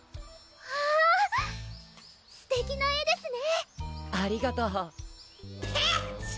わぁすてきな絵ですね